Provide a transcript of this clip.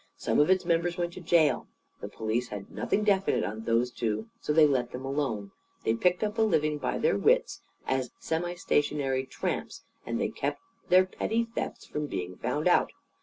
Some of its members went to jail. The police had nothing definite on those two; so they let them alone. They picked up a living by their wits, as semi stationary tramps and they kept their petty thefts from being found out.